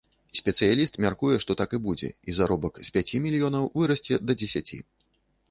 Спецыяліст мяркуе, што так і будзе, і заробак з пяці мільёнаў вырасце да дзесяці.